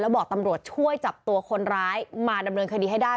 บอกตำรวจช่วยจับตัวคนร้ายมาดำเนินคดีให้ได้